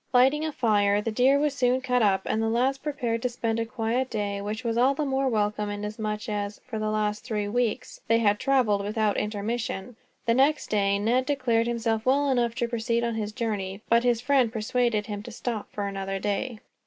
Lighting a fire, the deer was soon cut up, and the lads prepared to spend a quiet day; which was all the more welcome inasmuch as, for the last three weeks, they had traveled without intermission. The next day Ned declared himself well enough to proceed on his journey; but his friend persuaded him to stop for another day.